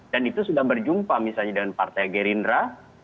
dan itu sudah berjumpa misalnya dengan partai gerindra